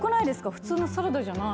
普通のサラダじゃない。